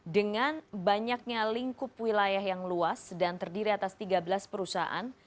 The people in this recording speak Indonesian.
dengan banyaknya lingkup wilayah yang luas dan terdiri atas tiga belas perusahaan